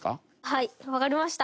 はいわかりました。